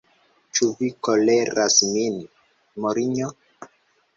Ĉu vi koleras min, Marinjo?